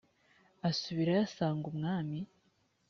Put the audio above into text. asubirayo asanga umwami.